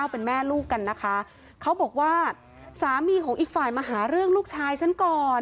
เป็นแม่ลูกกันนะคะเขาบอกว่าสามีของอีกฝ่ายมาหาเรื่องลูกชายฉันก่อน